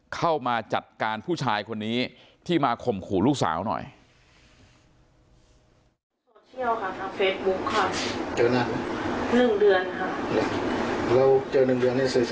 เข้ามาจัดการผู้ชายคนนี้ที่มาข่มขู่ลูกสาวหน่อย